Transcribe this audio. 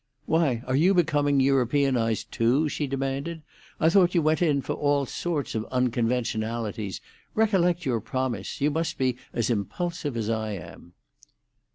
"Why, are you becoming Europeanised too?" she demanded. "I thought you went in for all sorts of unconventionalities. Recollect your promise. You must be as impulsive as I am."